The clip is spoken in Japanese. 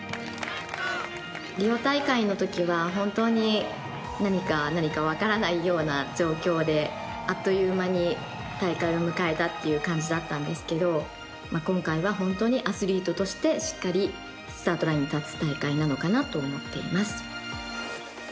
リオ大会のときは本当に何か分からないような状況で、あっという間に大会を迎えたという感じだったんですけど今回は本当にアスリートとしてしっかりスタートラインに立つ大会なのかなと思っています。